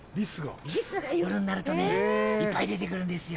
りすが夜になるとねいっぱい出てくるんですよ。